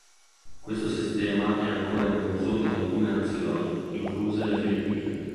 Questo sistema è ancora in uso in alcune nazioni, incluse le Filippine.